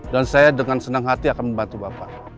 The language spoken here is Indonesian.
dan saya dengan senang hati akan membantu bapak